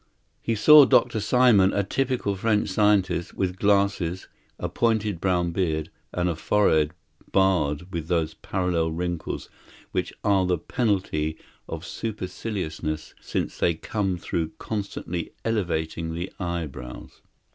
He saw Dr. Simon, a typical French scientist, with glasses, a pointed brown beard, and a forehead barred with those parallel wrinkles which are the penalty of superciliousness, since they come through constantly elevating the eyebrows.